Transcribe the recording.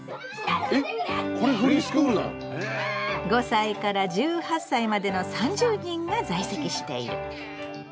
５歳から１８歳までの３０人が在籍している。